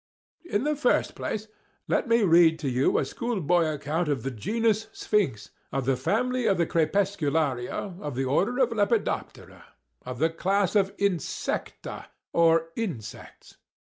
In the first place, let me read to you a schoolboy account of the genus Sphinx, of the family Crepuscularia of the order Lepidoptera, of the class of Insecta—or insects.